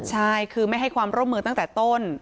ใช่คือไม่ให้ความร่วมมือตั้งแต่ต้น